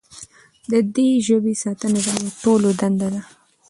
د دې ژبې ساتنه زموږ ټولو دنده ده.